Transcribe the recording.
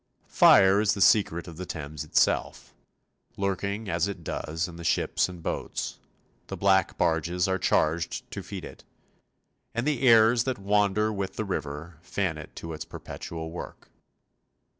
Fire is the secret of the Thames itself, lurking as it does in the ships and boats; the black barges are charged to feed it, and the airs that wander with the river fan it to its perpetual work.